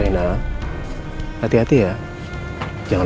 itu kemudian juga